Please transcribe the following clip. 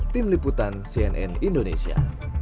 tim liputan cnn indonesia